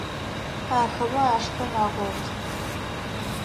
Ахэмэ ашхын агъоты.